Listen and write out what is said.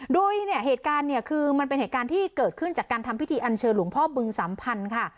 โดยเนี่ยเหตุการณ์เนี่ยคือมันเป็นเหตุการณ์ที่เกิดขึ้นจากการทำพิธีอันเชิญหลวงพ่อบึงสัมพันธ์ค่ะ